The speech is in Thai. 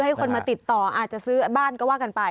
ให้คนมาติดต่ออาจจะซื้อบ้านก็ว่ากันไป